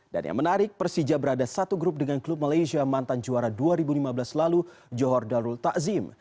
dan yang menarik persija berada satu grup dengan klub malaysia mantan juara dua ribu lima belas lalu johor darul ta'zim